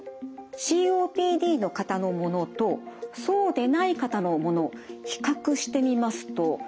ＣＯＰＤの方のものとそうでない方のもの比較してみますとどうでしょう？